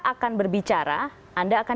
akan berbicara anda akan